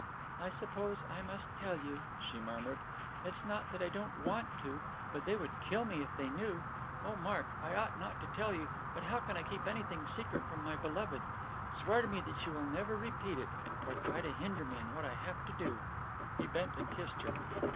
"I suppose I must tell you," she murmured; "it's not that I don't want to. But they would kill me if they knew. Oh, Mark, I ought not to tell you, but how can I keep anything secret from my beloved? Swear to me that you will never repeat it, or try to hinder me in what I have to do?" He bent and kissed her.